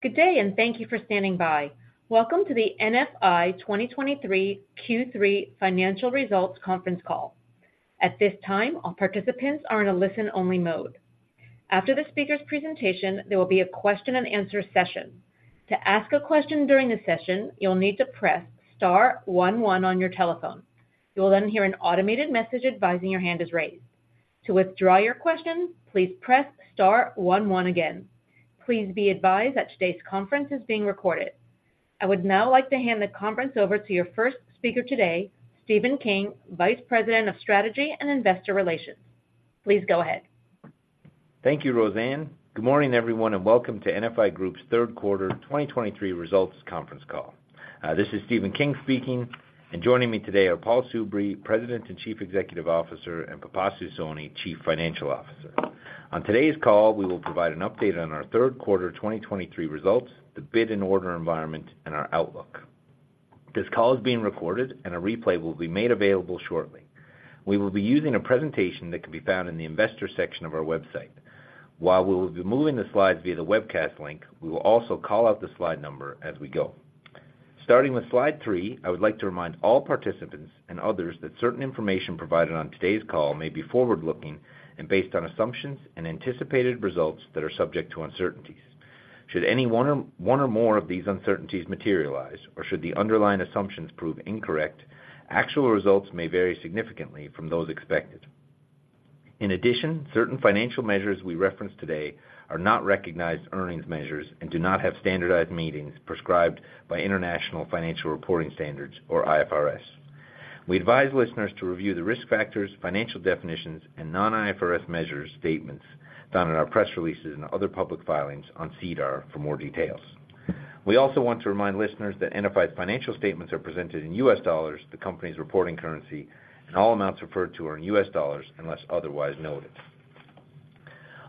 Good day, and thank you for standing by. Welcome to the NFI 2023 Q3 Financial Results conference call. At this time, all participants are in a listen-only mode. After the speaker's presentation, there will be a question-and-answer session. To ask a question during the session, you'll need to press star one one on your telephone. You will then hear an automated message advising your hand is raised. To withdraw your question, please press star one one again. Please be advised that today's conference is being recorded. I would now like to hand the conference over to your first speaker today, Stephen King, Vice President of Strategy and Investor Relations. Please go ahead. Thank you, Roseanne. Good morning, everyone, and welcome to NFI Group's Q3 2023 results conference call. This is Stephen King speaking, and joining me today are Paul Soubry, President and Chief Executive Officer, and Pipasu Soni, Chief Financial Officer. On today's call, we will provide an update on our Q3 2023 results, the bid and order environment, and our outlook. This call is being recorded, and a replay will be made available shortly. We will be using a presentation that can be found in the investors section of our website. While we will be moving the slides via the webcast link, we will also call out the slide number as we go. Starting with Slide three, I would like to remind all participants and others that certain information provided on today's call may be forward-looking and based on assumptions and anticipated results that are subject to uncertainties. Should any one or more of these uncertainties materialize, or should the underlying assumptions prove incorrect, actual results may vary significantly from those expected. In addition, certain financial measures we reference today are not recognized earnings measures and do not have standardized meanings prescribed by International Financial Reporting Standards, or IFRS. We advise listeners to review the risk factors, financial definitions, and non-IFRS measure statements found in our press releases and other public filings on SEDAR for more details. We also want to remind listeners that NFI's financial statements are presented in U.S. dollars, the company's reporting currency, and all amounts referred to are in U.S. dollars unless otherwise noted.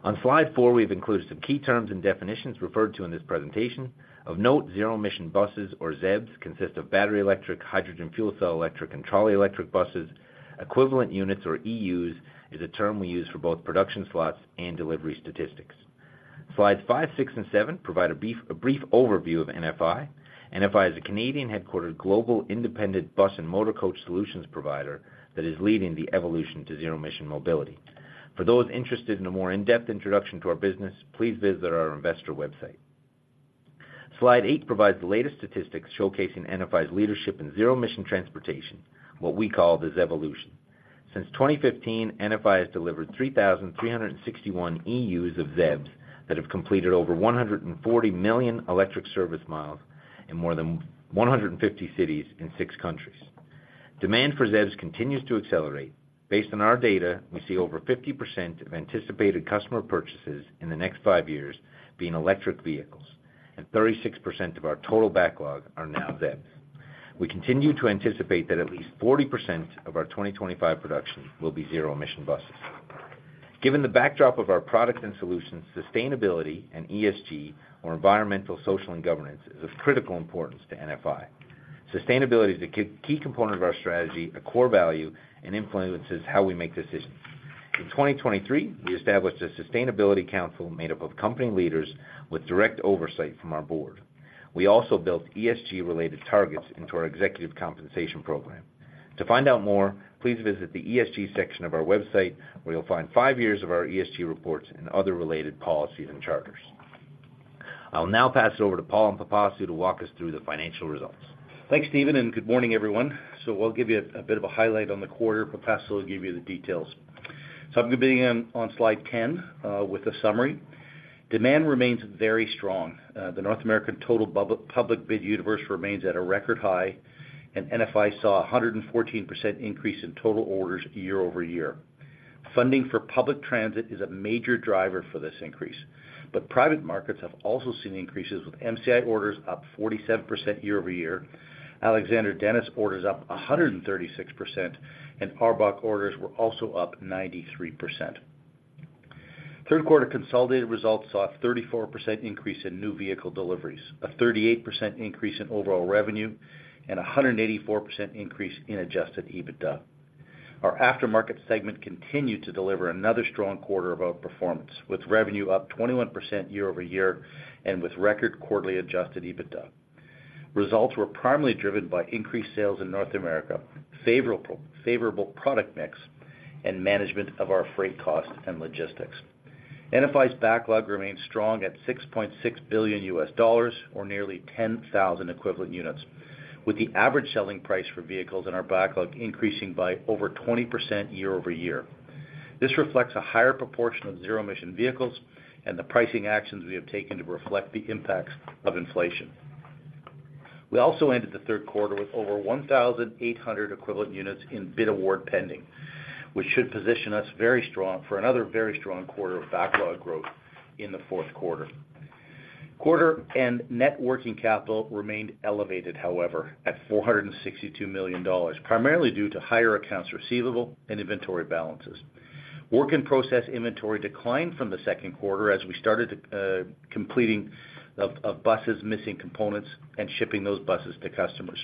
On Slide four, we've included some key terms and definitions referred to in this presentation. Of note, zero-emission buses, or ZEB, consist of battery electric, hydrogen fuel cell electric, and trolley electric buses. Equivalent units, or EUs, is a term we use for both production slots and delivery statistics. Slides five, six, and seven provide a brief overview of NFI. NFI is a Canadian-headquartered, global, independent bus and motor coach solutions provider that is leading the evolution to zero-emission mobility. For those interested in a more in-depth introduction to our business, please visit our investor website. Slide eight provides the latest statistics showcasing NFI's leadership in zero-emission transportation, what we call the ZEvolution. Since 2015, NFI has delivered 3,361 EUs of ZEB that have completed over 140 million electric service miles in more than 150 cities and six countries. Demand for ZEBs continues to accelerate. Based on our data, we see over 50% of anticipated customer purchases in the next five years being electric vehicles, and 36% of our total backlog are now ZEBs. We continue to anticipate that at least 40% of our 2025 production will be zero-emission buses. Given the backdrop of our products and solutions, sustainability and ESG, or environmental, social, and governance, is of critical importance to NFI. Sustainability is a key, key component of our strategy, a core value, and influences how we make decisions. In 2023, we established a sustainability council made up of company leaders with direct oversight from our board. We also built ESG-related targets into our executive compensation program. To find out more, please visit the ESG section of our website, where you'll find five years of our ESG reports and other related policies and charters. I'll now pass it over to Paul and Pipasu to walk us through the financial results. Thanks, Stephen, and good morning, everyone. So we'll give you a bit of a highlight on the quarter. Pipasu will give you the details. So I'm going to be beginning on Slide 10 with a summary. Demand remains very strong. The North American total public bid universe remains at a record high, and NFI saw a 114% increase in total orders year-over-year. Funding for public transit is a major driver for this increase, but private markets have also seen increases, with MCI orders up 47% year-over-year, Alexander Dennis orders up 136%, and ARBOC orders were also up 93%. Q3 consolidated results saw a 34% increase in new vehicle deliveries, a 38% increase in overall revenue, and a 184% increase in Adjusted EBITDA. Our aftermarket segment continued to deliver another strong quarter of outperformance, with revenue up 21% year-over-year and with record quarterly Adjusted EBITDA. Results were primarily driven by increased sales in North America, favorable product mix, and management of our freight costs and logistics. NFI's backlog remains strong at $6.6 billion, or nearly 10,000 equivalent units, with the average selling price for vehicles in our backlog increasing by over 20% year-over-year. This reflects a higher proportion of zero-emission vehicles and the pricing actions we have taken to reflect the impacts of inflation. We also ended the Q3 with over 1,800 equivalent units in bid award pending, which should position us very strong for another very strong quarter of backlog growth in the Q4. Quarter and net working capital remained elevated, however, at $462 million, primarily due to higher accounts receivable and inventory balances. Work-in-process inventory declined from the Q2 as we started to complete buses missing components and shipping those buses to customers.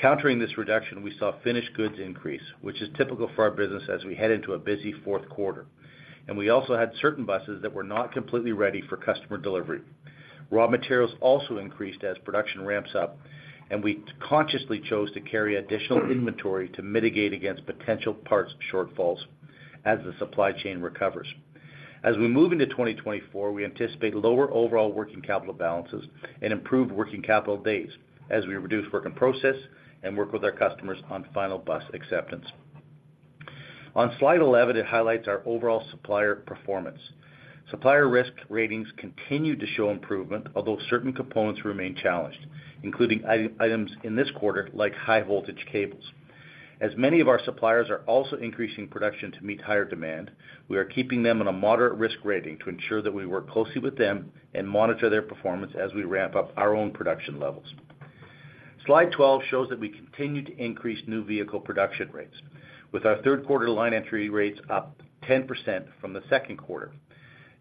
Countering this reduction, we saw finished goods increase, which is typical for our business as we head into a busy Q4, and we also had certain buses that were not completely ready for customer delivery. Raw materials also increased as production ramps up, and we consciously chose to carry additional inventory to mitigate against potential parts shortfalls as the supply chain recovers. As we move into 2024, we anticipate lower overall working capital balances and improved working capital days as we reduce work-in-process and work with our customers on final bus acceptance. On Slide 11, it highlights our overall supplier performance. Supplier risk ratings continued to show improvement, although certain components remain challenged, including items in this quarter, like high voltage cables. As many of our suppliers are also increasing production to meet higher demand, we are keeping them on a moderate risk rating to ensure that we work closely with them and monitor their performance as we ramp up our own production levels. Slide 12 shows that we continue to increase new vehicle production rates, with our Q3 line entry rates up 10% from the Q2.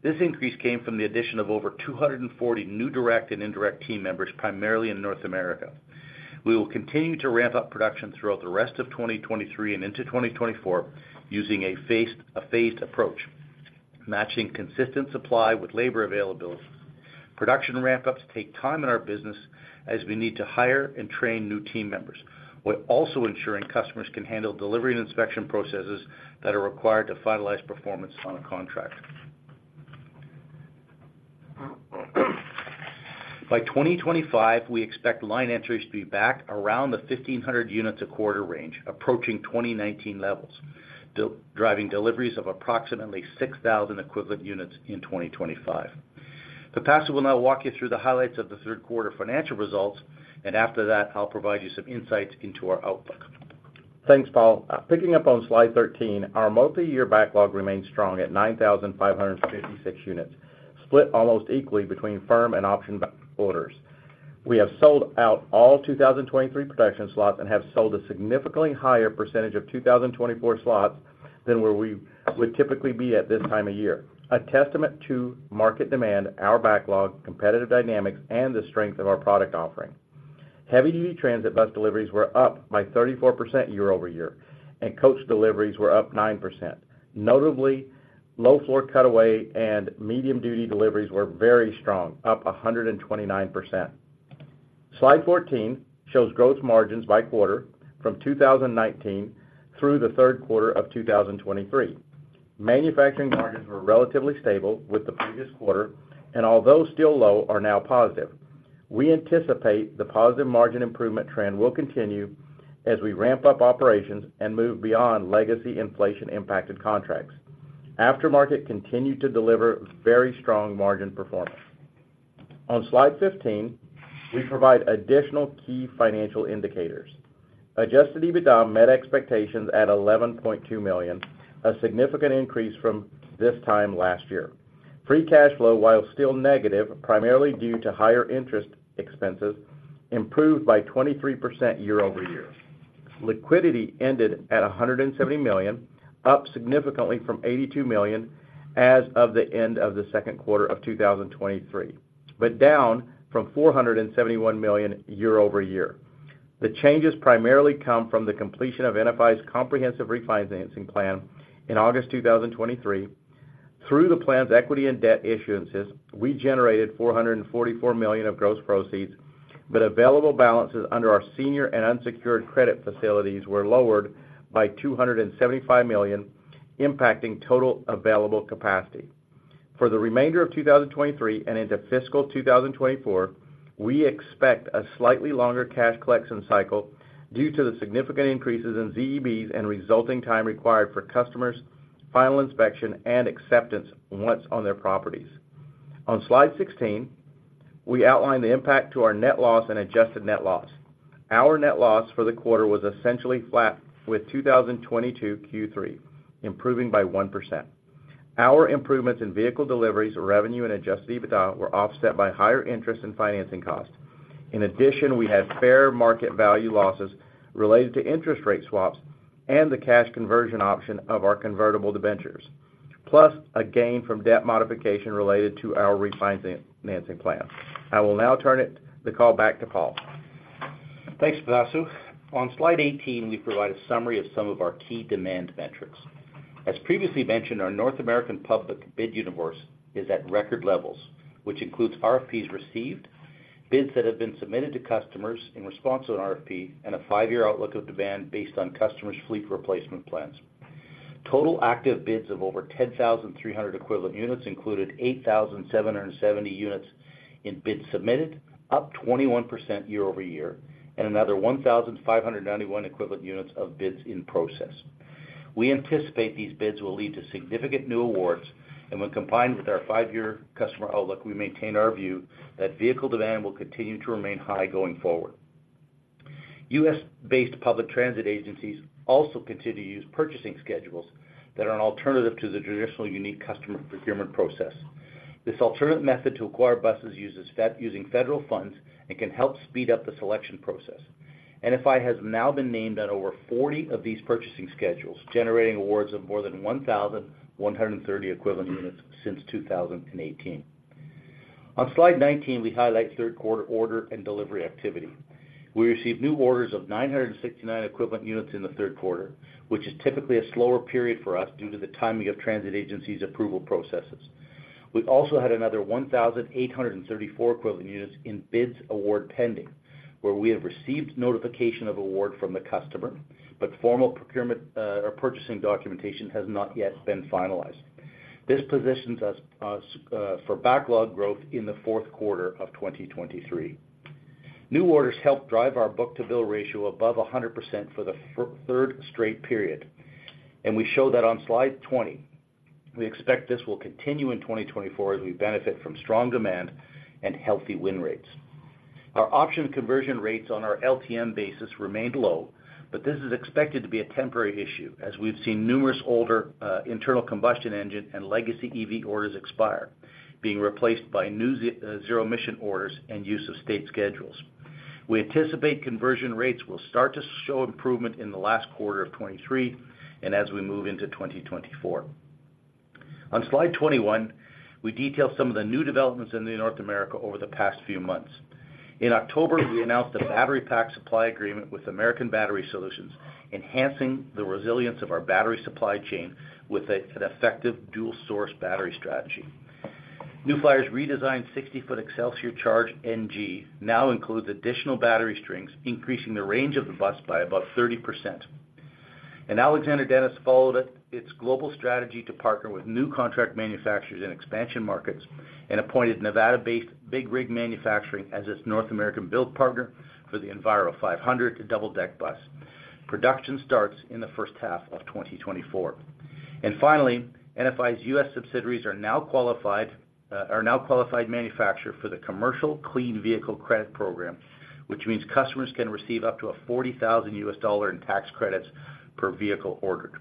This increase came from the addition of over 240 new direct and indirect team members, primarily in North America. We will continue to ramp up production throughout the rest of 2023 and into 2024, using a phased approach, matching consistent supply with labor availability. Production ramp-ups take time in our business as we need to hire and train new team members, while also ensuring customers can handle delivery and inspection processes that are required to finalize performance on a contract. By 2025, we expect line entries to be back around the 1,500 units a quarter range, approaching 2019 levels, driving deliveries of approximately 6,000 equivalent units in 2025. Pipasu will now walk you through the highlights of the Q3 financial results, and after that, I'll provide you some insights into our outlook. Thanks, Paul. Picking up on slide 13, our multiyear backlog remains strong at 9,556 units, split almost equally between firm and option orders. We have sold out all 2023 production slots and have sold a significantly higher percentage of 2024 slots than where we would typically be at this time of year, a testament to market demand, our backlog, competitive dynamics, and the strength of our product offering. Heavy-duty transit bus deliveries were up by 34% year-over-year, and coach deliveries were up 9%. Notably, low-floor cutaway and medium-duty deliveries were very strong, up 129%. Slide 14 shows gross margins by quarter from 2019 through the Q3 of 2023. Manufacturing margins were relatively stable with the previous quarter, and although still low, are now positive. We anticipate the positive margin improvement trend will continue as we ramp up operations and move beyond legacy inflation-impacted contracts. Aftermarket continued to deliver very strong margin performance. On slide 15, we provide additional key financial indicators. Adjusted EBITDA met expectations at $11.2 million, a significant increase from this time last year. Free cash flow, while still negative, primarily due to higher interest expenses, improved by 23% year-over-year. Liquidity ended at $170 million, up significantly from $82 million as of the end of the Q2 of 2023, but down from $471 million year-over-year. The changes primarily come from the completion of NFI's comprehensive refinancing plan in August 2023. Through the plan's equity and debt issuances, we generated $444 million of gross proceeds, but available balances under our senior and unsecured credit facilities were lowered by $275 million, impacting total available capacity. For the remainder of 2023 and into fiscal 2024, we expect a slightly longer cash collection cycle due to the significant increases in ZEBs and resulting time required for customers' final inspection and acceptance once on their properties. On slide 16, we outline the impact to our net loss and adjusted net loss. Our net loss for the quarter was essentially flat with 2022 Q3, improving by 1%. Our improvements in vehicle deliveries, revenue and Adjusted EBITDA were offset by higher interest and financing costs. In addition, we had fair market value losses related to interest rate swaps and the cash conversion option of our convertible debentures, plus a gain from debt modification related to our refinancing plan. I will now turn the call back to Paul. Thanks, Pipasu. On slide 18, we provide a summary of some of our key demand metrics. As previously mentioned, our North American public bid universe is at record levels, which includes RFPs received, bids that have been submitted to customers in response to an RFP, and a five-year outlook of demand based on customers' fleet replacement plans. Total active bids of over 10,300 equivalent units included 8,770 units in bids submitted, up 21% year-over-year, and another 1,591 equivalent units of bids in process. We anticipate these bids will lead to significant new awards, and when combined with our five-year customer outlook, we maintain our view that vehicle demand will continue to remain high going forward. U.S. based public transit agencies also continue to use purchasing schedules that are an alternative to the traditional unique customer procurement process. This alternative method to acquire buses uses federal funds and can help speed up the selection process. NFI has now been named on over 40 of these purchasing schedules, generating awards of more than 1,130 equivalent units since 2018... On slide 19, we highlight Q3 order and delivery activity. We received new orders of 969 equivalent units in the Q3, which is typically a slower period for us due to the timing of transit agencies' approval processes. We also had another 1,834 equivalent units in bids award pending, where we have received notification of award from the customer, but formal procurement or purchasing documentation has not yet been finalized. This positions us for backlog growth in the Q4 of 2023. New orders helped drive our book-to-bill ratio above 100% for the third straight period, and we show that on slide 20. We expect this will continue in 2024 as we benefit from strong demand and healthy win rates. Our option conversion rates on our LTM basis remained low, but this is expected to be a temporary issue, as we've seen numerous older, internal combustion engine and legacy EV orders expire, being replaced by new zero-emission orders and use of state schedules. We anticipate conversion rates will start to show improvement in the last quarter of 2023 and as we move into 2024. On slide 21, we detail some of the new developments in North America over the past few months. In October, we announced a battery pack supply agreement with American Battery Solutions, enhancing the resilience of our battery supply chain with an effective dual-source battery strategy. New Flyer's redesigned 60-foot Xcelsior CHARGE NG now includes additional battery strings, increasing the range of the bus by about 30%. Alexander Dennis followed its global strategy to partner with new contract manufacturers in expansion markets and appointed Nevada based Big Rig Manufacturing as its North American build partner for the Enviro500 double-deck bus. Production starts in the first half of 2024. And finally, NFI's U.S. subsidiaries are now qualified manufacturer for the Commercial Clean Vehicle Credit program, which means customers can receive up to a $40,000 in tax credits per vehicle ordered.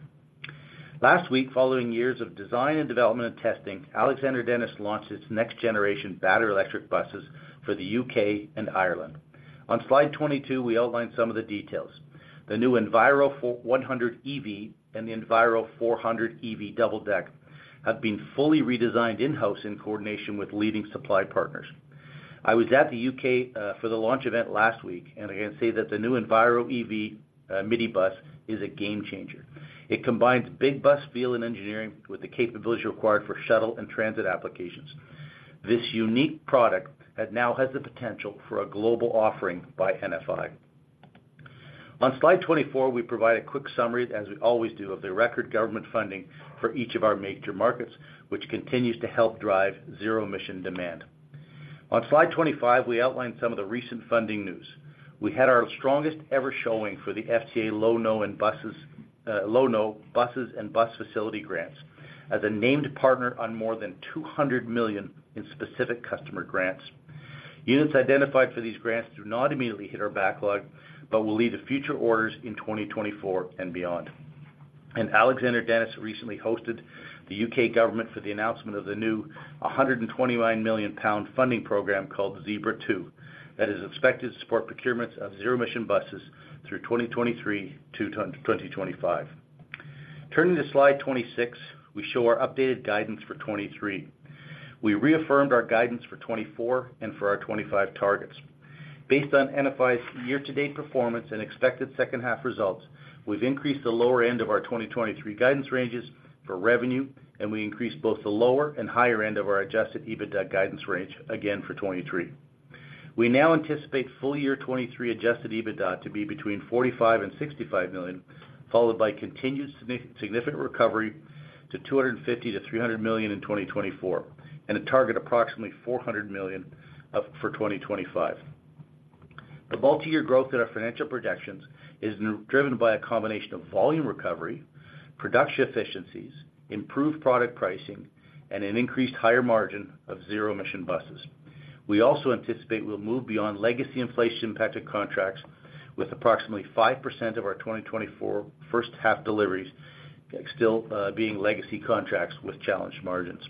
Last week, following years of design and development testing, Alexander Dennis launched its next generation battery electric buses for the U.K. and Ireland. On slide 22, we outline some of the details. The new Enviro100EV and the Enviro400EV double deck have been fully redesigned in-house in coordination with leading supply partners. I was at the U.K. for the launch event last week, and I can say that the new EnviroEV minibus is a game changer. It combines big bus feel and engineering with the capabilities required for shuttle and transit applications. This unique product that now has the potential for a global offering by NFI. On slide 24, we provide a quick summary, as we always do, of the record government funding for each of our major markets, which continues to help drive zero-emission demand. On slide 25, we outline some of the recent funding news. We had our strongest ever showing for the FTA Low-No and buses, Low-No Buses and Bus Facility grants, as a named partner on more than $200 million in specific customer grants. Units identified for these grants do not immediately hit our backlog, but will lead to future orders in 2024 and beyond. Alexander Dennis recently hosted the U.K. government for the announcement of the new 129 million pound funding program called ZEBRA 2, that is expected to support procurements of zero-emission buses through 2023-2025. Turning to slide 26, we show our updated guidance for 2023. We reaffirmed our guidance for 2024 and for our 2025 targets. Based on NFI's year-to-date performance and expected second-half results, we've increased the lower end of our 2023 guidance ranges for revenue, and we increased both the lower and higher end of our Adjusted EBITDA guidance range, again, for 2023. We now anticipate full year 2023 Adjusted EBITDA to be between $45 million and $65 million, followed by continued significant recovery to $250 million-$300 million in 2024, and a target approximately $400 million of, for 2025. The multi-year growth in our financial projections is driven by a combination of volume recovery, production efficiencies, improved product pricing, and an increased higher margin of zero-emission buses. We also anticipate we'll move beyond legacy inflation-impacted contracts, with approximately 5% of our 2024 first half deliveries still being legacy contracts with challenged margins.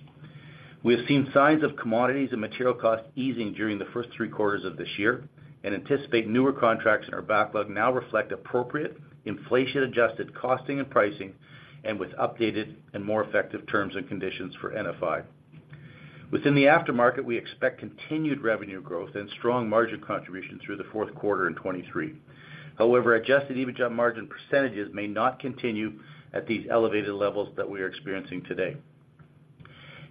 We have seen signs of commodities and material costs easing during the first three quarters of this year and anticipate newer contracts in our backlog now reflect appropriate inflation-adjusted costing and pricing, and with updated and more effective terms and conditions for NFI. Within the aftermarket, we expect continued revenue growth and strong margin contribution through the Q4 in 2023. However, Adjusted EBITDA margin percentages may not continue at these elevated levels that we are experiencing today.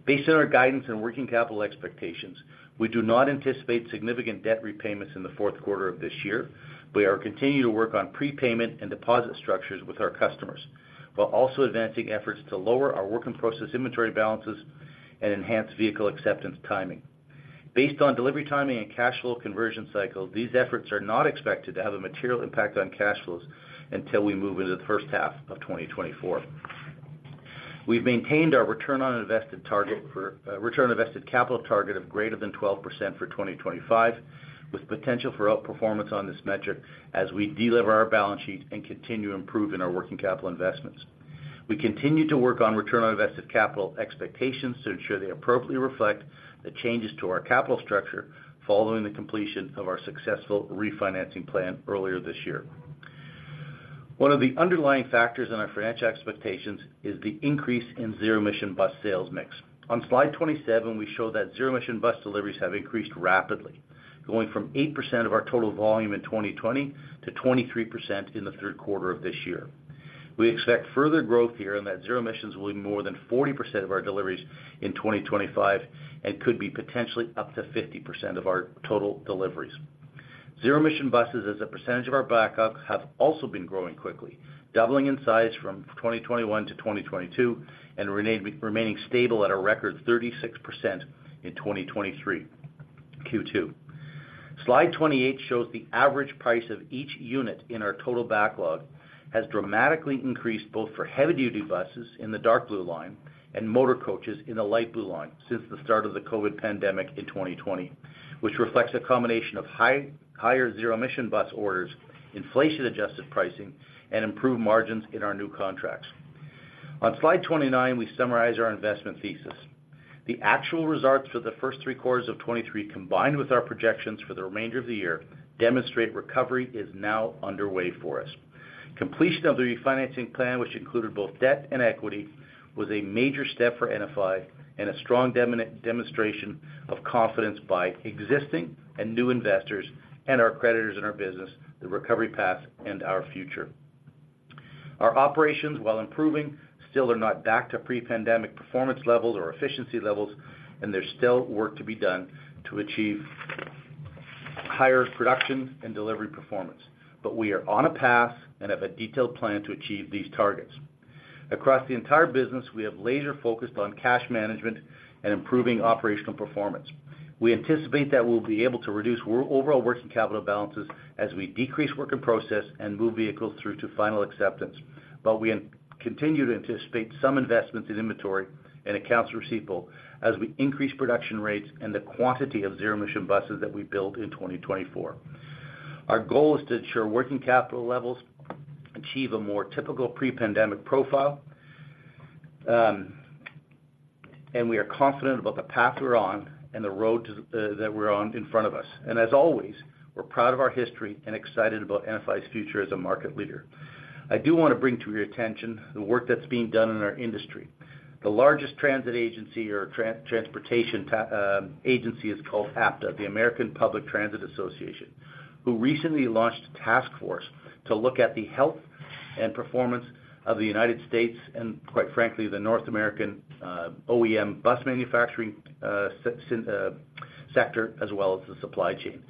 Based on our guidance and working capital expectations, we do not anticipate significant debt repayments in the Q4 of this year. We are continuing to work on prepayment and deposit structures with our customers, while also advancing efforts to lower our work-in-process inventory balances and enhance vehicle acceptance timing. Based on delivery timing and cash flow conversion cycle, these efforts are not expected to have a material impact on cash flows until we move into the first half of 2024. We've maintained our return on invested target for, return on invested capital target of greater than 12% for 2025, with potential for outperformance on this metric as we de-lever our balance sheet and continue improving our working capital investments. We continue to work on return on invested capital expectations to ensure they appropriately reflect the changes to our capital structure following the completion of our successful refinancing plan earlier this year. One of the underlying factors in our financial expectations is the increase in zero-emission bus sales mix. On slide 27, we show that zero-emission bus deliveries have increased rapidly, going from 8% of our total volume in 2020 to 23% in the Q3 of this year. We expect further growth here, and that zero emissions will be more than 40% of our deliveries in 2025, and could be potentially up to 50% of our total deliveries. Zero-emission buses, as a percentage of our backlog, have also been growing quickly, doubling in size from 2021-2022, and remaining stable at a record 36% in 2023 Q2. Slide 28 shows the average price of each unit in our total backlog has dramatically increased, both for heavy-duty buses in the dark blue line and motor coaches in the light blue line since the start of the COVID pandemic in 2020, which reflects a combination of higher zero-emission bus orders, inflation-adjusted pricing, and improved margins in our new contracts. On slide 29, we summarize our investment thesis. The actual results for the first three quarters of 2023, combined with our projections for the remainder of the year, demonstrate recovery is now underway for us. Completion of the refinancing plan, which included both debt and equity, was a major step for NFI and a strong demonstration of confidence by existing and new investors and our creditors in our business, the recovery path, and our future. Our operations, while improving, still are not back to pre-pandemic performance levels or efficiency levels, and there's still work to be done to achieve higher production and delivery performance. But we are on a path and have a detailed plan to achieve these targets. Across the entire business, we have laser-focused on cash management and improving operational performance. We anticipate that we'll be able to reduce overall working capital balances as we decrease work in process and move vehicles through to final acceptance. But we continue to anticipate some investments in inventory and accounts receivable as we increase production rates and the quantity of zero-emission buses that we build in 2024. Our goal is to ensure working capital levels achieve a more typical pre-pandemic profile, and we are confident about the path we're on and the road to that we're on in front of us. And as always, we're proud of our history and excited about NFI's future as a market leader. I do want to bring to your attention the work that's being done in our industry. The largest transit agency or transportation agency is called APTA, the American Public Transportation Association, who recently launched a task force to look at the health and performance of the United States and, quite frankly, the North American, OEM bus manufacturing sector, as well as the supply chain.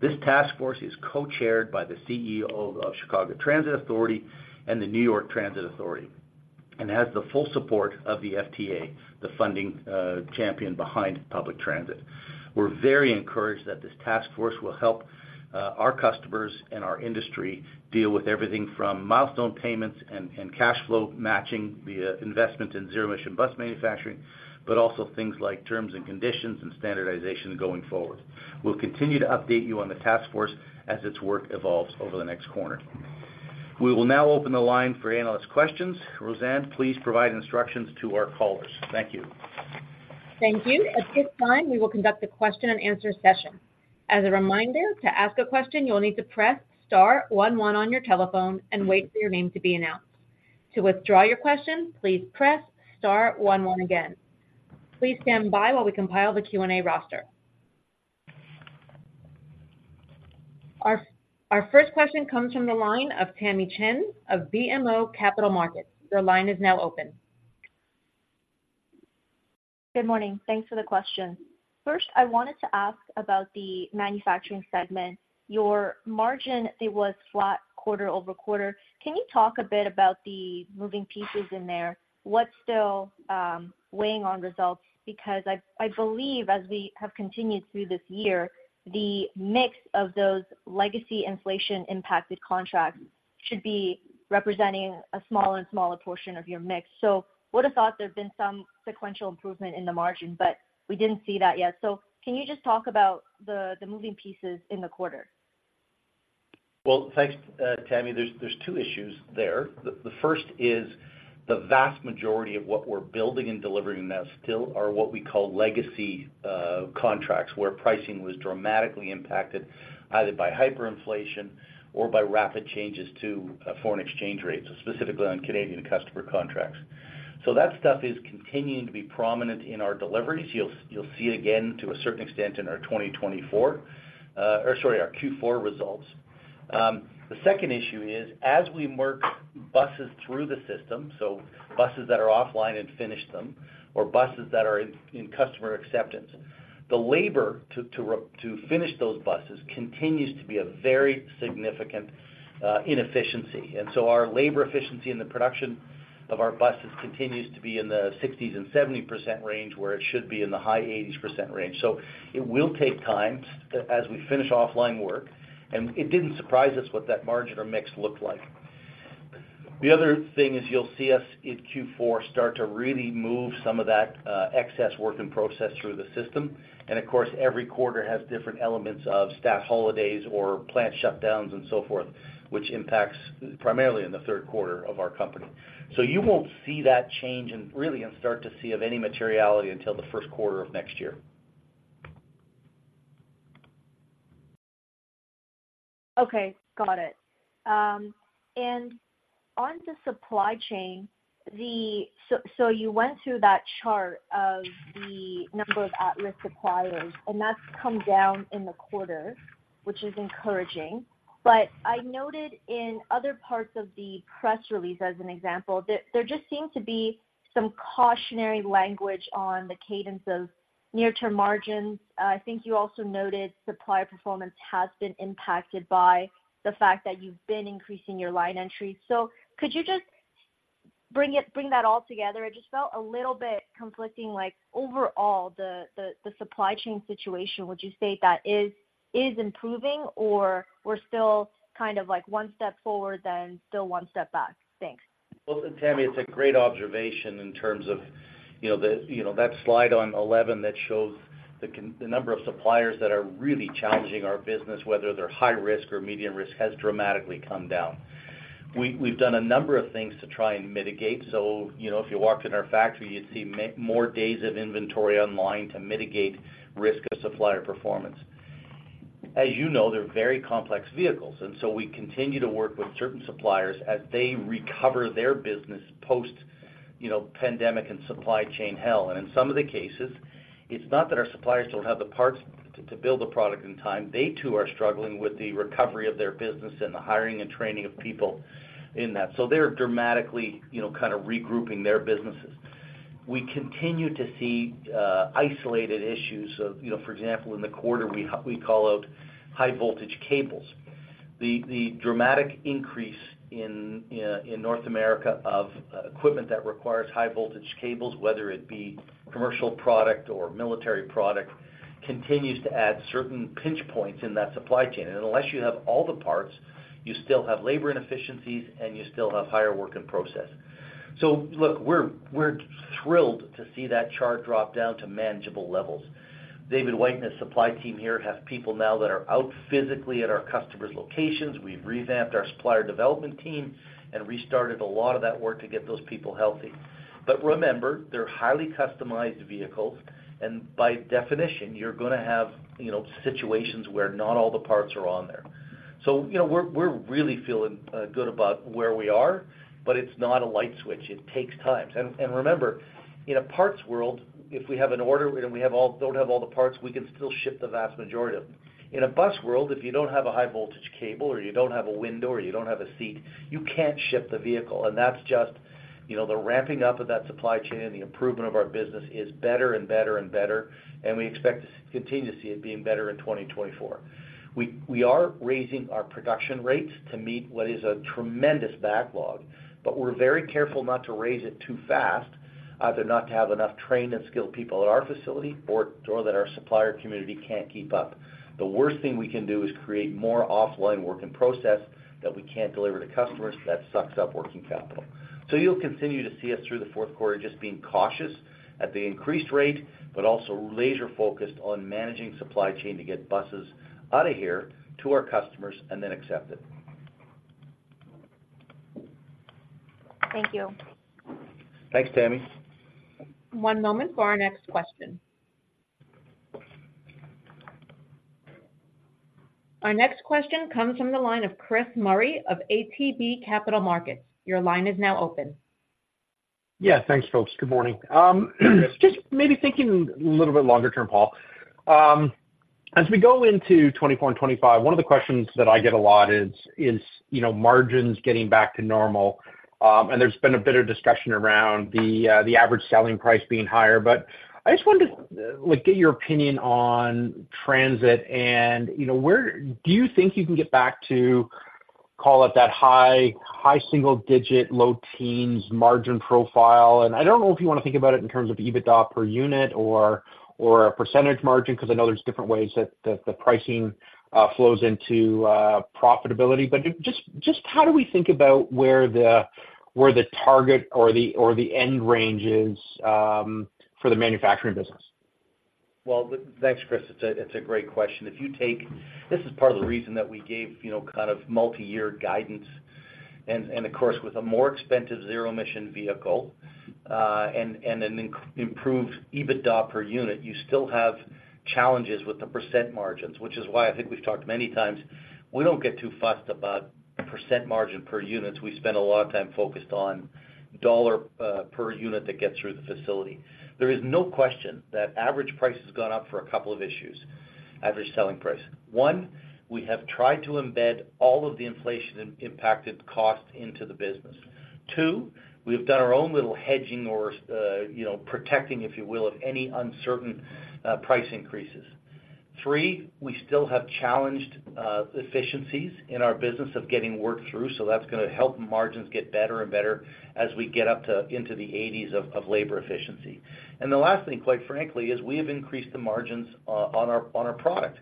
This task force is co-chaired by the CEO of Chicago Transit Authority and the New York Transit Authority, and has the full support of the FTA, the funding champion behind public transit. We're very encouraged that this task force will help our customers and our industry deal with everything from milestone payments and cash flow, matching the investment in zero-emission bus manufacturing, but also things like terms and conditions and standardization going forward. We'll continue to update you on the task force as its work evolves over the next quarter. We will now open the line for analyst questions. Roseanne, please provide instructions to our callers. Thank you. Thank you. At this time, we will conduct a question-and-answer session. As a reminder, to ask a question, you will need to press star one one on your telephone and wait for your name to be announced. To withdraw your question, please press star one one again. Please stand by while we compile the Q&A roster. Our first question comes from the line of Tamy Chen of BMO Capital Markets. Your line is now open. Good morning. Thanks for the question. First, I wanted to ask about the manufacturing segment. Your margin, it was flat quarter-over-quarter. Can you talk a bit about the moving pieces in there? What's still weighing on results? Because I believe as we have continued through this year, the mix of those legacy inflation-impacted contracts should be representing a smaller and smaller portion of your mix. So would have thought there's been some sequential improvement in the margin, but we didn't see that yet. So can you just talk about the moving pieces in the quarter? Well, thanks, Tamy. There's two issues there. The first is the vast majority of what we're building and delivering now still are what we call legacy contracts, where pricing was dramatically impacted either by hyperinflation or by rapid changes to foreign exchange rates, specifically on Canadian customer contracts. So that stuff is continuing to be prominent in our deliveries. You'll see it again to a certain extent in our 2024, or sorry, our Q4 results. The second issue is, as we work buses through the system, so buses that are offline and finish them, or buses that are in customer acceptance, the labor to finish those buses continues to be a very significant inefficiency. And so our labor efficiency in the production of our buses continues to be in the 60s and 70% range, where it should be in the high 80s% range. So it will take time as we finish offline work, and it didn't surprise us what that margin or mix looked like. The other thing is, you'll see us in Q4 start to really move some of that excess work in process through the system. And of course, every quarter has different elements of staff holidays or plant shutdowns and so forth, which impacts primarily in the Q3 of our company. So you won't see that change and really, and start to see of any materiality until the Q1 of next year. Okay, got it. And on the supply chain, so you went through that chart of the number of at-risk suppliers, and that's come down in the quarter, which is encouraging. But I noted in other parts of the press release, as an example, that there just seemed to be some cautionary language on the cadence of near-term margins. I think you also noted supplier performance has been impacted by the fact that you've been increasing your line entry. So could you just bring it - bring that all together? I just felt a little bit conflicting, like, overall, the supply chain situation, would you say that is improving, or we're still kind of, like, one step forward, then still one step back? Thanks. Well, Tamy, it's a great observation in terms of, you know, the, you know, that slide on 11 that shows the number of suppliers that are really challenging our business, whether they're high risk or medium risk, has dramatically come down. We've done a number of things to try and mitigate. So, you know, if you walked in our factory, you'd see more days of inventory online to mitigate risk of supplier performance. As you know, they're very complex vehicles, and so we continue to work with certain suppliers as they recover their business post, you know, pandemic and supply chain hell. And in some of the cases, it's not that our suppliers don't have the parts to build the product in time. They, too, are struggling with the recovery of their business and the hiring and training of people in that. So they're dramatically, you know, kind of regrouping their businesses. We continue to see isolated issues of, you know, for example, in the quarter, we call out high voltage cables. The dramatic increase in North America of equipment that requires high voltage cables, whether it be commercial product or military product, continues to add certain pinch points in that supply chain. And unless you have all the parts, you still have labor inefficiencies, and you still have higher work in process. So look, we're thrilled to see that chart drop down to manageable levels. David White and his supply team here have people now that are out physically at our customers' locations. We've revamped our supplier development team and restarted a lot of that work to get those people healthy. But remember, they're highly customized vehicles, and by definition, you're gonna have, you know, situations where not all the parts are on there. So, you know, we're really feeling good about where we are, but it's not a light switch. It takes time. And remember, in a parts world, if we have an order and we don't have all the parts, we can still ship the vast majority of them. In a bus world, if you don't have a high voltage cable or you don't have a window or you don't have a seat, you can't ship the vehicle, and that's just, you know, the ramping up of that supply chain and the improvement of our business is better and better and better, and we expect to continue to see it being better in 2024. We are raising our production rates to meet what is a tremendous backlog, but we're very careful not to raise it too fast, either not to have enough trained and skilled people at our facility or that our supplier community can't keep up. The worst thing we can do is create more offline work in process that we can't deliver to customers. That sucks up working capital. So you'll continue to see us through the Q4, just being cautious at the increased rate, but also laser focused on managing supply chain to get buses out of here to our customers and then accepted. Thank you. Thanks, Tamy. One moment for our next question. Our next question comes from the line of Chris Murray of ATB Capital Markets. Your line is now open. Yeah, thanks, folks. Good morning. Just maybe thinking a little bit longer term, Paul. As we go into 2024 and 2025, one of the questions that I get a lot is, you know, margins getting back to normal. And there's been a bit of discussion around the average selling price being higher. But I just wanted to, like, get your opinion on transit and, you know, where... Do you think you can get back to, call it, that high single-digit, low-teens margin profile? And I don't know if you want to think about it in terms of EBITDA per unit or a percentage margin, because I know there's different ways that the pricing flows into profitability. But just how do we think about where the target or the end range is for the manufacturing business? Well, thanks, Chris. It's a great question. If you take... This is part of the reason that we gave, you know, kind of multi-year guidance. And of course, with a more expensive zero-emission vehicle, and an improved EBITDA per unit, you still have challenges with the percent margins, which is why I think we've talked many times. We don't get too fussed about percent margin per units. We spend a lot of time focused on dollar per unit that gets through the facility. There is no question that average price has gone up for a couple of issues, average selling price. One, we have tried to embed all of the inflation-impacted costs into the business. Two, we've done our own little hedging or, you know, protecting, if you will, of any uncertain price increases. Three, we still have challenged efficiencies in our business of getting work through, so that's gonna help margins get better and better as we get up to into the 80s of labor efficiency. And the last thing, quite frankly, is we have increased the margins on our product.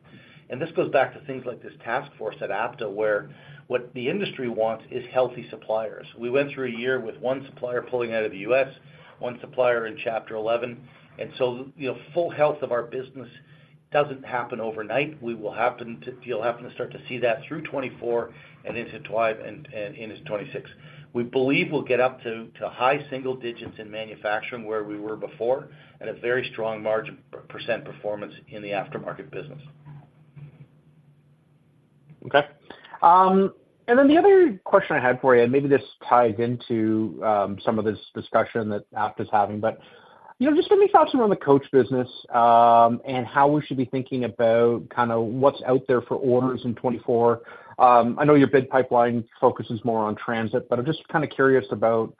And this goes back to things like this task force at APTA, where what the industry wants is healthy suppliers. We went through a year with one supplier pulling out of the U.S., one supplier in Chapter 11, and so, you know, full health of our business doesn't happen overnight. You'll start to see that through 2024 and into 2026. We believe we'll get up to high single digits in manufacturing, where we were before, and a very strong margin % performance in the aftermarket business. Okay. And then the other question I had for you, and maybe this ties into some of this discussion that APTA is having, but, you know, just give me thoughts around the coach business, and how we should be thinking about kind of what's out there for orders in 2024. I know your bid pipeline focuses more on transit, but I'm just kind of curious about,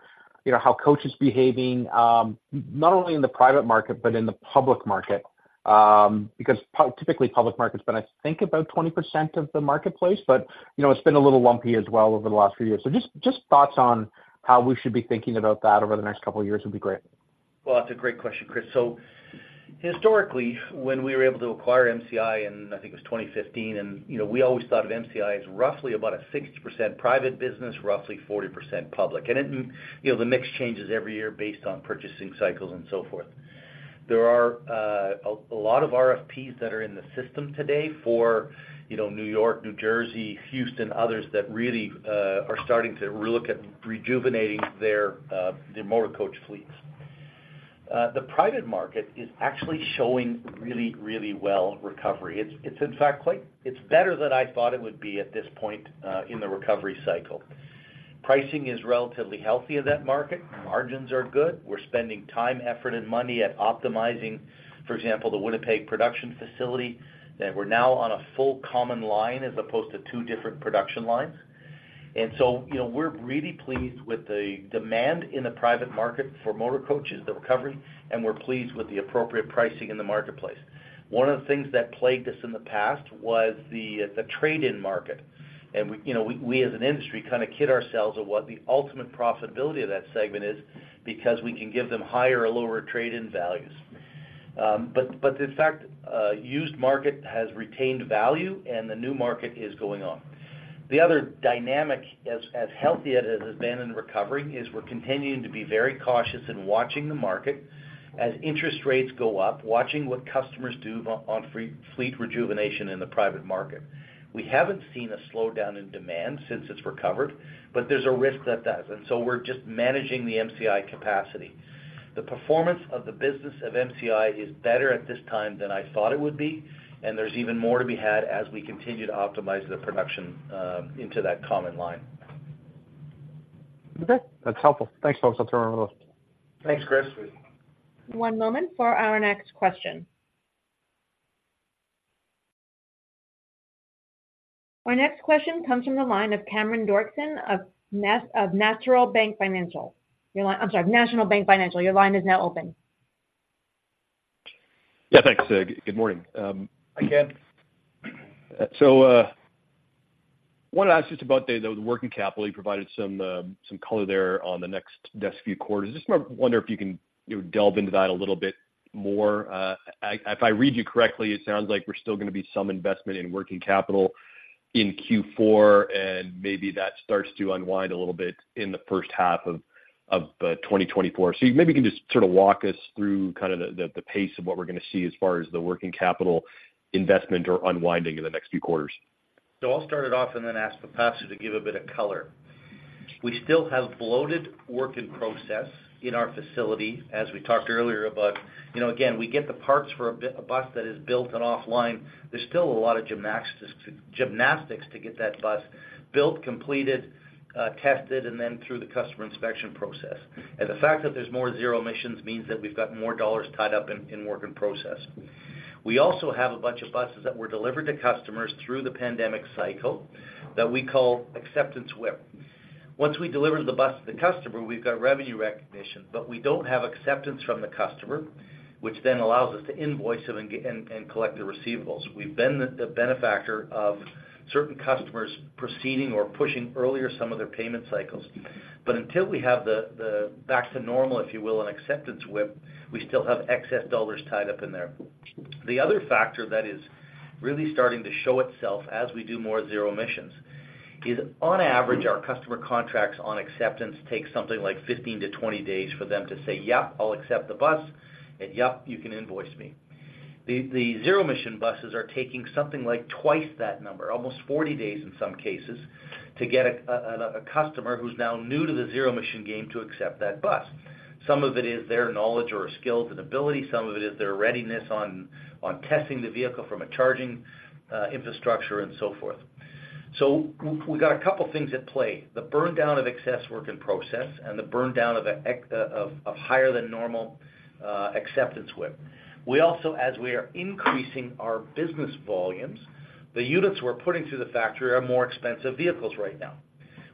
you know, how coach is behaving, not only in the private market, but in the public market. Because typically, public market has been, I think, about 20% of the marketplace, but, you know, it's been a little lumpy as well over the last few years. So just thoughts on how we should be thinking about that over the next couple of years would be great. Well, that's a great question, Chris. So historically, when we were able to acquire MCI in, I think it was 2015, and, you know, we always thought of MCI as roughly about a 60% private business, roughly 40% public. And it, you know, the mix changes every year based on purchasing cycles and so forth. There are a lot of RFPs that are in the system today for, you know, New York, New Jersey, Houston, others that really are starting to relook at rejuvenating their their motor coach fleets. The private market is actually showing really, really well recovery. It's, it's in fact, quite. It's better than I thought it would be at this point in the recovery cycle. Pricing is relatively healthy in that market. Margins are good. We're spending time, effort, and money at optimizing, for example, the Winnipeg production facility, that we're now on a full common line as opposed to two different production lines. And so, you know, we're really pleased with the demand in the private market for motor coaches, the recovery, and we're pleased with the appropriate pricing in the marketplace. One of the things that plagued us in the past was the trade-in market. And we, you know, as an industry, kind of kid ourselves of what the ultimate profitability of that segment is because we can give them higher or lower trade-in values. But in fact, used market has retained value, and the new market is going on. The other dynamic, as healthy as it has been in recovery, is we're continuing to be very cautious in watching the market as interest rates go up, watching what customers do on fleet rejuvenation in the private market. We haven't seen a slowdown in demand since it's recovered, but there's a risk that does. So we're just managing the MCI capacity. The performance of the business of MCI is better at this time than I thought it would be, and there's even more to be had as we continue to optimize the production into that common line. Okay. That's helpful. Thanks, folks. I'll turn it over. Thanks, Chris. One moment for our next question. Our next question comes from the line of Cameron Doerksen of National Bank Financial. Your line... I'm sorry, National Bank Financial. Your line is now open. Yeah, thanks. Good morning, Hi, Cam. So, wanted to ask just about the working capital. You provided some color there on the next few quarters. Just wonder if you can, you know, delve into that a little bit more. If I read you correctly, it sounds like there's still going to be some investment in working capital in Q4, and maybe that starts to unwind a little bit in the first half of 2024. So maybe you can just sort of walk us through kind of the pace of what we're going to see as far as the working capital investment or unwinding in the next few quarters. So I'll start it off and then ask the others to give a bit of color. We still have bloated work in process in our facility, as we talked earlier about. You know, again, we get the parts for a bus that is built and offline. There's still a lot of gymnastics to get that bus built, completed, tested, and then through the customer inspection process. And the fact that there's more zero emissions means that we've got more dollars tied up in work in process. We also have a bunch of buses that were delivered to customers through the pandemic cycle that we call acceptance WIP. Once we deliver the bus to the customer, we've got revenue recognition, but we don't have acceptance from the customer, which then allows us to invoice them and collect the receivables. We've been the benefactor of certain customers proceeding or pushing earlier some of their payment cycles. But until we have the back to normal, if you will, and acceptance WIP, we still have excess dollars tied up in there. The other factor that is really starting to show itself as we do more zero-emission is, on average, our customer contracts on acceptance take something like 15-20 days for them to say, "Yep, I'll accept the bus, and yep, you can invoice me." The zero-emission buses are taking something like twice that number, almost 40 days in some cases, to get a customer who's now new to the zero-emission game to accept that bus. Some of it is their knowledge or skills and ability. Some of it is their readiness on testing the vehicle from a charging infrastructure and so forth. So we got a couple things at play, the burn down of excess work in process and the burn down of higher than normal acceptance WIP. We also, as we are increasing our business volumes, the units we're putting through the factory are more expensive vehicles right now,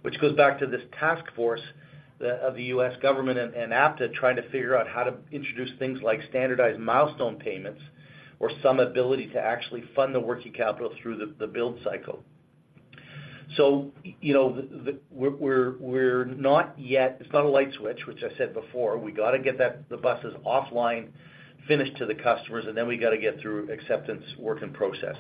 which goes back to this task force of the U.S. government and APTA, trying to figure out how to introduce things like standardized milestone payments or some ability to actually fund the working capital through the build cycle. So you know, we're not yet... It's not a light switch, which I said before. We got to get that, the buses offline, finished to the customers, and then we got to get through acceptance work in process.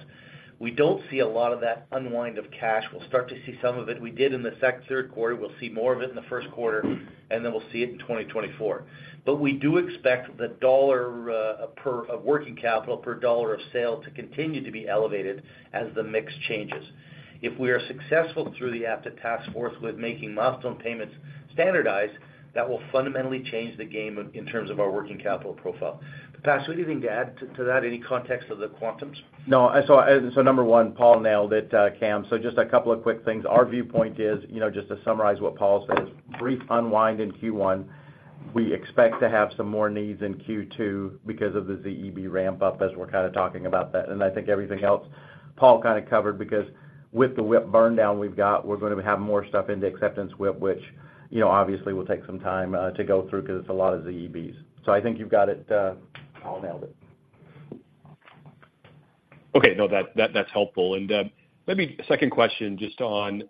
We don't see a lot of that unwind of cash. We'll start to see some of it. We did in the second, Q3. We'll see more of it in the Q1, and then we'll see it in 2024. But we do expect the dollar, per, of working capital per dollar of sale to continue to be elevated as the mix changes. If we are successful through the APTA task force with making milestone payments standardized, that will fundamentally change the game in terms of our working capital profile. Pas, what do you need to add to, to that, any context of the quantums? No, I saw, so number one, Paul nailed it, Cam. So just a couple of quick things. Our viewpoint is, you know, just to summarize what Paul said, is brief unwind in Q1. We expect to have some more needs in Q2 because of the ZEB ramp up, as we're kind of talking about that. And I think everything else, Paul kind of covered, because with the WIP burn down we've got, we're going to have more stuff into acceptance WIP, which, you know, obviously, will take some time to go through because it's a lot of ZEBs. So I think you've got it, Paul nailed it. Okay. No, that, that's helpful. And let me—second question, just on,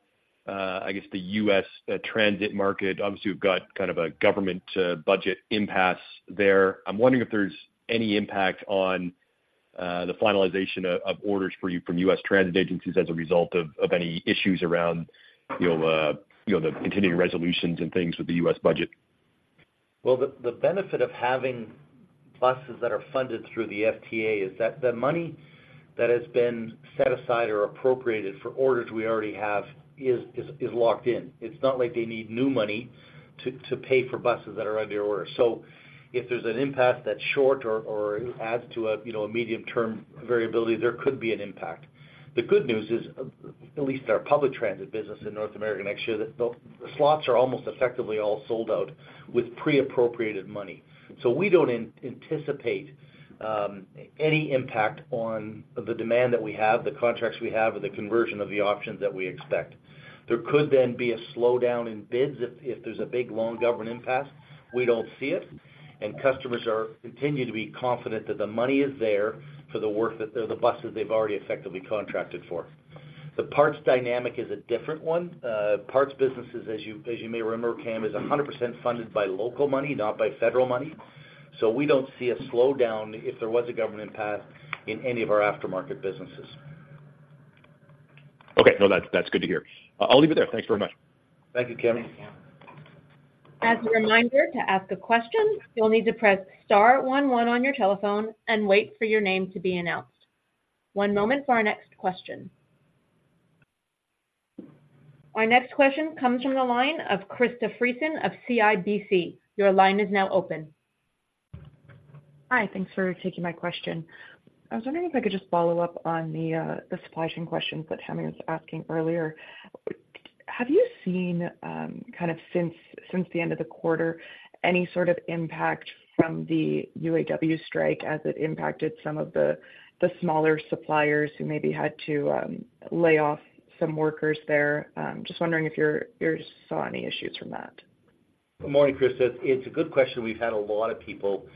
I guess, the U.S. transit market. Obviously, you've got kind of a government budget impasse there. I'm wondering if there's any impact on the finalization of, of orders for you from U.S. transit agencies as a result of, of any issues around, you know, you know, the continuing resolutions and things with the U.S. budget? Well, the benefit of having buses that are funded through the FTA is that the money that has been set aside or appropriated for orders we already have is locked in. It's not like they need new money to pay for buses that are under order. So if there's an impact that's short or adds to a, you know, a medium-term variability, there could be an impact. The good news is, at least our public transit business in North America next year, the slots are almost effectively all sold out with pre-appropriated money. So we don't anticipate any impact on the demand that we have, the contracts we have, or the conversion of the options that we expect. There could then be a slowdown in bids if there's a big, long government impasse, we don't see it, and customers are continuing to be confident that the money is there for the work, that the buses they've already effectively contracted for. The parts dynamic is a different one. Parts businesses, as you, as you may remember, Cam, is 100% funded by local money, not by federal money. So we don't see a slowdown if there was a government impasse in any of our aftermarket businesses. Okay. No, that's, that's good to hear. I'll leave it there. Thanks very much. Thank you, Cameron. Thank you, Cam. As a reminder, to ask a question, you'll need to press star one one on your telephone and wait for your name to be announced. One moment for our next question. Our next question comes from the line of Krista Friesen of CIBC. Your line is now open. Hi, thanks for taking my question. I was wondering if I could just follow up on the supply chain questions that Tammy was asking earlier. Have you seen, kind of, since the end of the quarter, any sort of impact from the UAW strike as it impacted some of the smaller suppliers who maybe had to lay off some workers there? Just wondering if you saw any issues from that. Good morning, Krista. It's a good question. We've had a lot of people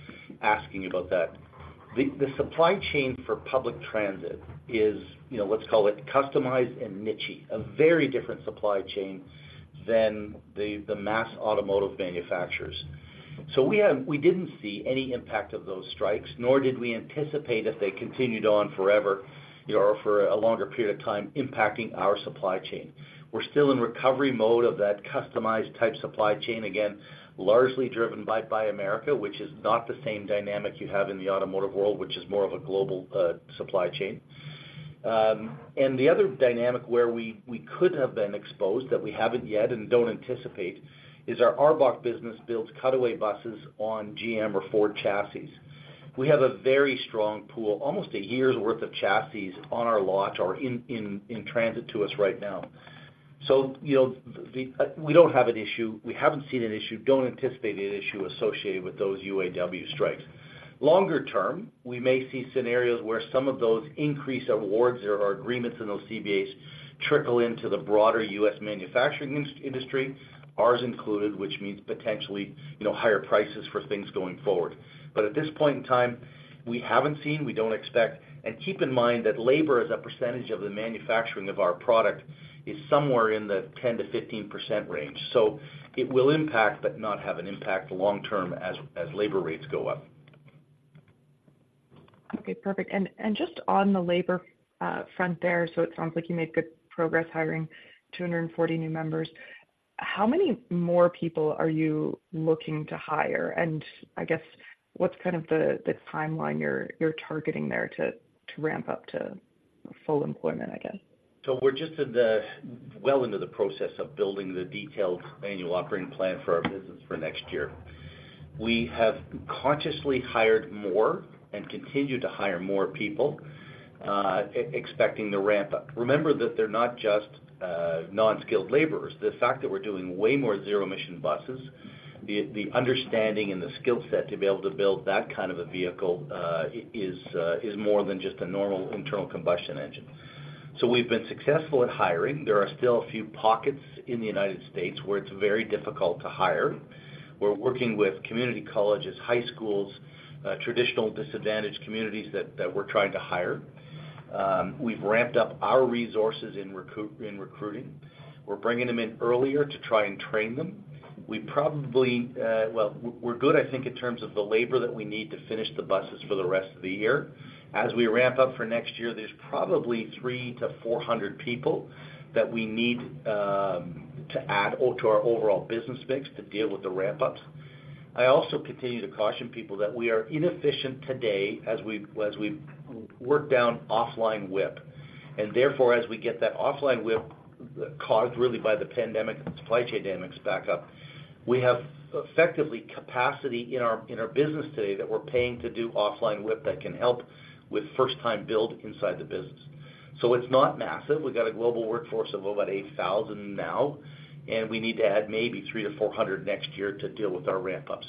asking about that. The supply chain for public transit is, you know, let's call it customized and nichey, a very different supply chain than the mass automotive manufacturers. So we didn't see any impact of those strikes, nor did we anticipate if they continued on forever, you know, or for a longer period of time, impacting our supply chain. We're still in recovery mode of that customized type supply chain, again, largely driven by Buy America, which is not the same dynamic you have in the automotive world, which is more of a global supply chain. And the other dynamic where we could have been exposed, that we haven't yet and don't anticipate, is our ARBOC business builds cutaway buses on GM or Ford chassis. We have a very strong pool, almost a year's worth of chassis on our launch or in transit to us right now. So, you know, the, we don't have an issue, we haven't seen an issue, don't anticipate an issue associated with those UAW strikes. Longer term, we may see scenarios where some of those increased awards or agreements in those CBAs trickle into the broader U.S. manufacturing industry, ours included, which means potentially, you know, higher prices for things going forward. But at this point in time, we haven't seen, we don't expect, and keep in mind that labor, as a percentage of the manufacturing of our product, is somewhere in the 10%-15% range. So it will impact, but not have an impact long term as labor rates go up. Okay, perfect. And just on the labor front there, so it sounds like you made good progress hiring 240 new members. How many more people are you looking to hire? And I guess, what's kind of the timeline you're targeting there to ramp up to full employment, I guess? So we're just well into the process of building the detailed annual operating plan for our business for next year. We have consciously hired more and continue to hire more people, expecting to ramp up. Remember that they're not just non-skilled laborers. The fact that we're doing way more zero-emission buses, the understanding and the skill set to be able to build that kind of a vehicle is more than just a normal internal combustion engine. So we've been successful at hiring. There are still a few pockets in the United States where it's very difficult to hire. We're working with community colleges, high schools, traditional disadvantaged communities that we're trying to hire. We've ramped up our resources in recruiting. We're bringing them in earlier to try and train them. We probably... Well, we're good, I think, in terms of the labor that we need to finish the buses for the rest of the year. As we ramp up for next year, there's probably 300-400 people that we need to add to our overall business mix to deal with the ramp-ups. I also continue to caution people that we are inefficient today as we, as we work down offline WIP. And therefore, as we get that offline WIP, caused really by the pandemic supply chain dynamics back up, we have effectively capacity in our, in our business today that we're paying to do offline WIP that can help with first-time build inside the business. So it's not massive. We've got a global workforce of about 8,000 now, and we need to add maybe 300-400 next year to deal with our ramp-ups.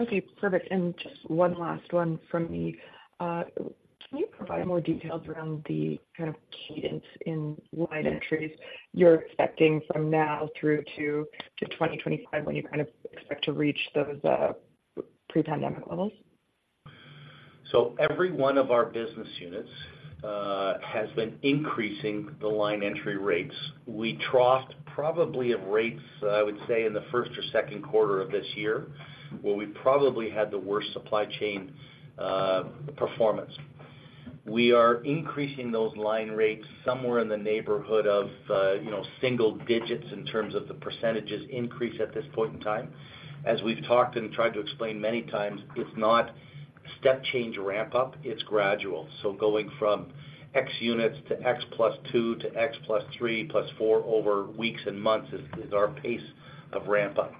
Okay, perfect. And just one last one from me. Can you provide more details around the kind of cadence in line entries you're expecting from now through to 2025, when you kind of expect to reach those pre-pandemic levels? Every one of our business units has been increasing the line entry rates. We troughed probably at rates, I would say, in the first or Q2 of this year, where we probably had the worst supply chain performance. We are increasing those line rates somewhere in the neighborhood of, you know, single digits in terms of the percentages increase at this point in time. As we've talked and tried to explain many times, it's not step change ramp up, it's gradual. So going from X units to X + 2 to X + 3 + 4 over weeks and months is our pace of ramp up.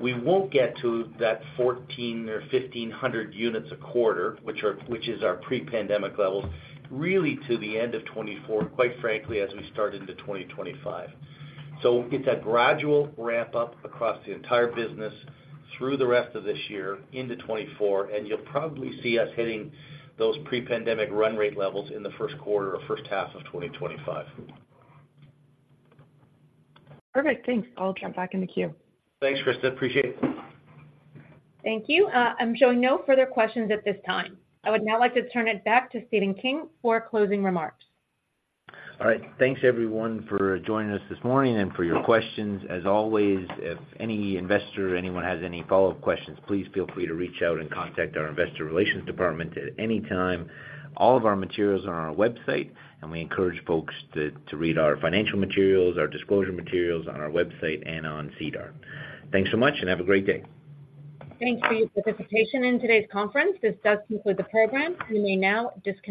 We won't get to that 1,400 or 1,500 units a quarter, which is our pre-pandemic levels, really to the end of 2024, quite frankly, as we start into 2025. It's a gradual ramp up across the entire business through the rest of this year into 2024, and you'll probably see us hitting those pre-pandemic run rate levels in the Q1 or first half of 2025. Perfect, thanks. I'll jump back in the queue. Thanks, Krista. Appreciate it. Thank you. I'm showing no further questions at this time. I would now like to turn it back to Stephen King for closing remarks. All right. Thanks, everyone, for joining us this morning and for your questions. As always, if any investor or anyone has any follow-up questions, please feel free to reach out and contact our investor relations department at any time. All of our materials are on our website, and we encourage folks to read our financial materials, our disclosure materials on our website and on SEDAR. Thanks so much and have a great day. Thanks for your participation in today's conference. This does conclude the program. You may now disconnect.